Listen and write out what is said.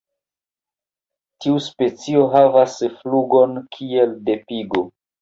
Tiu specio havas flugon kiel de pigo.